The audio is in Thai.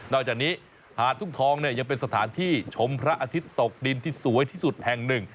จากนี้หาดทุ่งทองเนี่ยยังเป็นสถานที่ชมพระอาทิตย์ตกดินที่สวยที่สุดแห่งหนึ่ง